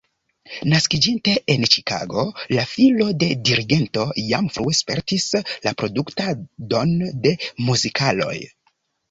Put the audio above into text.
Naskiĝinte en Ĉikago, la filo de dirigento jam frue spertis la produktadon de muzikaloj.